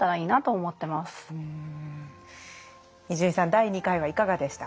第２回はいかがでしたか？